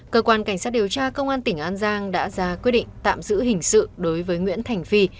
cơ quan cảnh sát điều tra công an tỉnh an giang đã ra quyết định tạm giữ hình sự đối với nguyễn thành phi